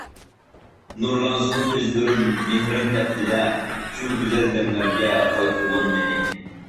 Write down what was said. نۇرلانسۇن كۆزلىرىم مېھرىڭ تەپتىدە، شۇ گۈزەل دەملەرگە قايتۇرغىن مېنى.